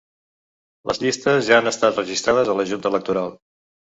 Les llistes ja han estat registrades a la junta electoral.